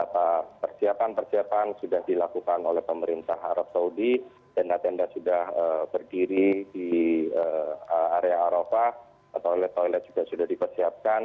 persiapan persiapan sudah dilakukan oleh pemerintah arab saudi tenda tenda sudah berdiri di area arafah toilet toilet juga sudah dipersiapkan